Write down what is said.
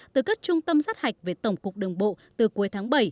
từ các trung tâm sát hạch về tổng cục đường bộ từ cuối tháng bảy